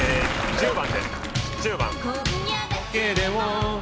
１０番。